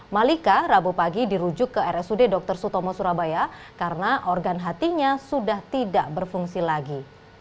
malika rabu pagi dirujuk ke rsud dr sutomo surabaya karena organ hatinya sudah tidak berfungsi lagi